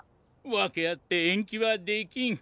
わけあってえんきはできん。